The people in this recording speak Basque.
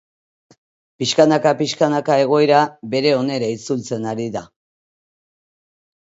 Pixkanaka pixkanaka egoera bere honera itzultzen ari da.